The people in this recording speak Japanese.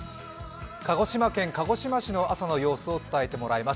鹿児島県鹿児島市の朝の様子を伝えてもらいます